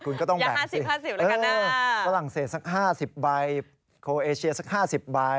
คุณก็ต้องแบ่งสิฝรั่งเศสสัก๕๐ใบโคเอเชียสัก๕๐ใบ